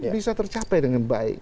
bisa tercapai dengan baik